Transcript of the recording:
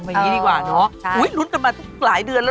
ไม่เงียบอย่างนี้ไม่ดีนะ